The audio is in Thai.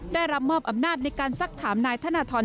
ได้รับมอบอำนาจในการซักถามนายธนทร